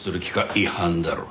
違反だろう。